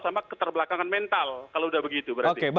sama keterbelakangan mental kalau sudah begitu